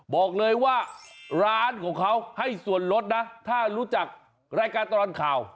บอกเลยว่าร้านของเขาให้ส่วนลดนะถ้ารู้จักรายการตลอดข่าว